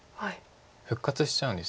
復活しちゃうんです